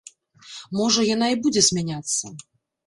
Можа, яна і будзе змяняцца.